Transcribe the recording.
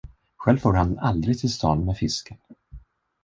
Själv for han aldrig till stan med fisken.